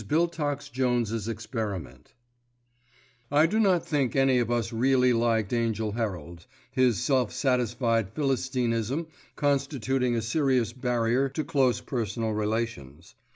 BILTOX JONES'S EXPERIMENT* I do not think any of us really liked Angell Herald, his self satisfied philistinism constituting a serious barrier to close personal relations.